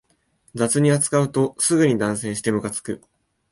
雑に扱うとすぐに断線してムカつく